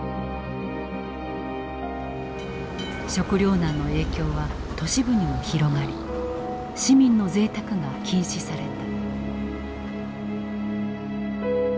食糧難の影響は都市部にも広がり市民のぜいたくが禁止された。